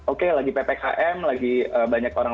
oke lagi pepek hm lagi banyak orang